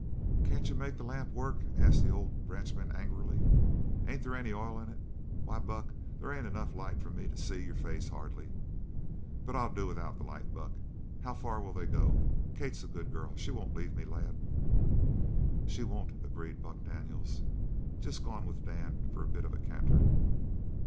"Can't you make the lamp work?" asked the old ranchman angrily. "Ain't they any oil in it? Why, Buck, they ain't enough light for me to see your face, hardly. But I'll do without the light. Buck, how far will they go? Kate's a good girl! She won't leave me, lad!" "She won't," agreed Buck Daniels. "Jest gone with Dan for a bit of a canter."